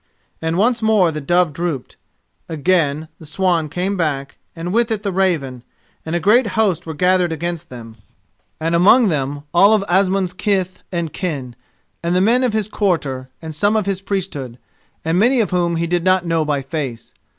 And once more the dove drooped. Again the swan came back, and with it the raven, and a great host were gathered against them, and, among them, all of Asmund's kith and kin, and the men of his quarter and some of his priesthood, and many whom he did not know by face.